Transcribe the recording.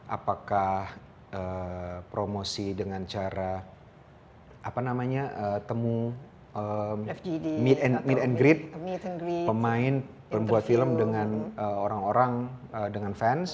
apakah promosi dengan cara temu meet and greet pemain pembuat film dengan orang orang dengan fans